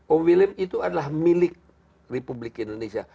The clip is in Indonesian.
o william itu adalah milik republik indonesia